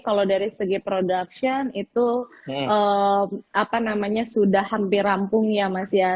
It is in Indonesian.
kalau dari segi production itu apa namanya sudah hampir rampung ya mas ya